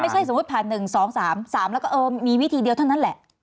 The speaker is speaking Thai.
มันไม่ใช่สมมติผ่านหนึ่งสองสามสามแล้วก็เออมีวิธีเดียวเท่านั้นแหละ